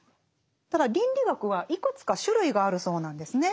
ただ倫理学はいくつか種類があるそうなんですね。